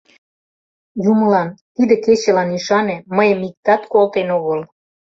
— Юмылан, тиде кечылан ӱшане, мыйым иктат колтен огыл.